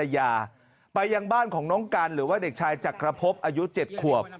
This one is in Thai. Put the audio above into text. น้ำฟ้าภรรยาไปยังบ้านของน้องกัลหรือว่าเด็กชายจักรพพอายุ๗ขวบ